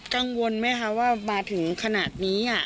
กังวลไหมคะว่ามาถึงขนาดนี้